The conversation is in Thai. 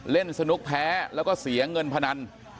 เล่นสนุกแพ้แล้วก็เสียเงินพนัน